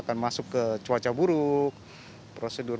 prosedur masuk ke tempat yang tidak terlalu terlalu terlalu terlalu terlalu terlalu